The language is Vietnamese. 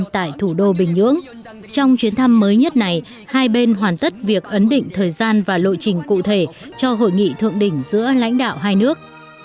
trong chuyến thăm mới nhất này hai bên hoàn tất việc ấn định thời gian và lộ trình cụ thể cho hội nghị thượng đỉnh giữa lãnh đạo hai nước